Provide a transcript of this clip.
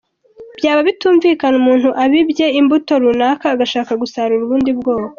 Byaba bitumvikana umuntu abibye imbuto runaka agashaka gusarura ubundi ubwoko.